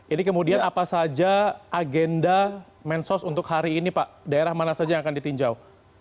ini kemudian apa saja agenda mensos untuk hari ini pak daerah mana saja yang akan ditinjau